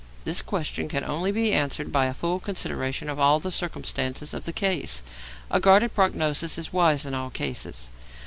_ This question can only be answered by a full consideration of all the circumstances of the case; a guarded prognosis is wise in all cases.